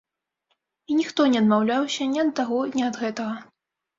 І ніхто не адмаўляўся ні ад таго, ні ад гэтага.